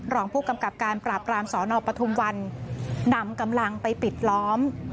รองผู้กำกับการปราบรามสนปทุมวันนำกำลังไปปิดล้อม